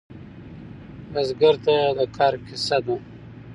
بزګر ته د کر کیسه ده